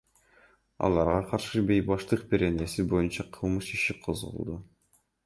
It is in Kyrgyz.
Аларга каршы Бейбаштык беренеси боюнча кылмыш иши козголду.